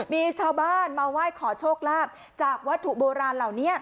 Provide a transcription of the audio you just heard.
มีชาวบ้านมาไหว้ขอโชคลาภจากวัตถุโบราณเหล่านี้